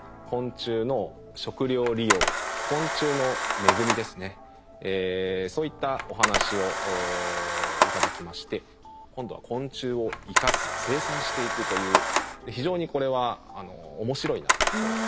昆虫の食料利用昆虫の恵みですねそういったお話を頂きまして今度は昆虫を生かす生産していくという非常にこれは面白いなと。